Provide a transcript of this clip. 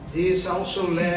di dalam tahun dua ribu satu